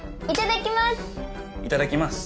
いただきます！